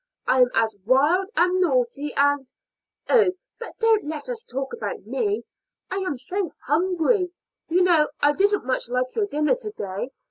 I am as wild and naughty and Oh, but don't let us talk about me. I am so hungry. You know I didn't much like your dinner to day.